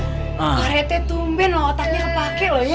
pak rete itu umben loh otaknya kepake loh ya